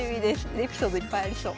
エピソードいっぱいありそう。